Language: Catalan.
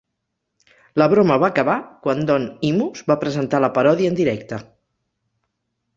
La broma va acabar quan Don Imus va presentar la paròdia en directe.